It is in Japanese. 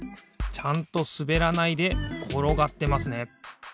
ちゃんとすべらないでころがってますね。